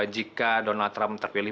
jika donald trump terpilih